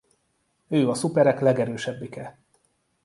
Ő a szuperek legerősebbike.